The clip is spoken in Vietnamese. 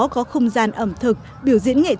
có không gian ẩm thực biểu diễn nghệ thuật